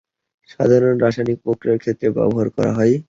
সাধারণত রাসায়নিক বিক্রিয়ার ক্ষেত্রে ব্যবহার করা হয়।